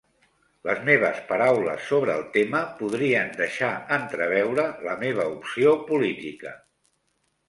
Les meves paraules sobre el tema podrien deixar entreveure la meva opció política.